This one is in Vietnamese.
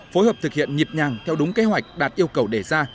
phối hợp thực hiện nhịp nhàng theo đúng kế hoạch đạt yêu cầu đề ra